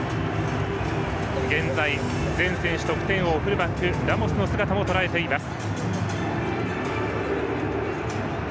現在、全選手得点王フルバック、ラモスの姿もとらえました。